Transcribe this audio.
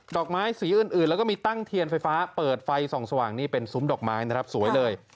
อกไม้สีอื่นแล้วก็มีตั้งเทียนไฟฟ้าเปิดไฟส่องสว่างนี่เป็นซุ้มดอกไม้นะครับสวยเลย